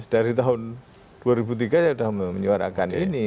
dari tahun dua ribu tiga saya sudah menyuarakan ini